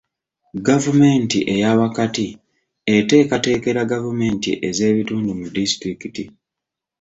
Gavumenti eya wakati eteekateekera gavumenti ez'ebitundu mu disitulikiti.